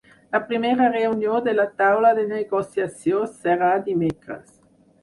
La primera reunió de la taula de negociació serà dimecres.